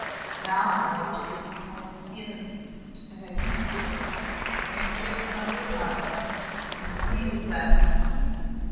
Now I want to get inside the skin of the East, and I can't do it. I see it from outside, with a pane of glass between.